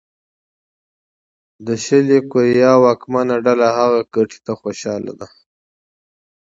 د شلي کوریا واکمنه ډله هغې ګټې ته خوشاله ده.